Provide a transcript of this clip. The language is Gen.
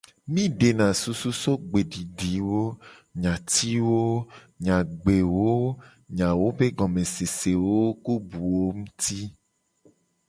Mi dena susu so gbedidiwo, nyatiwo nyagbewo, nyawo be gomesese, ku buwo nguti.